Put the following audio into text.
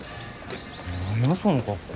何やその格好。